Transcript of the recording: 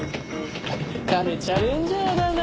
彼チャレンジャーだな。